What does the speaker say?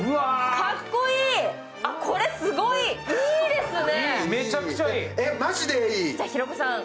かっこいい、これすごいいいですね。